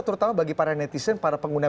terutama bagi para netizen para pengguna